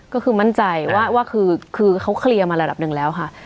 ก็คือมั่นใจว่าคือเขาเคลียร์มาระดับหนึ่งแล้วค่ะ